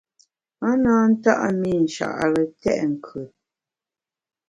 A na nta’ mi Nchare tèt nkùt.